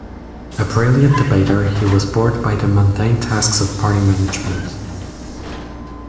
A brilliant debater, he was bored by the mundane tasks of party management.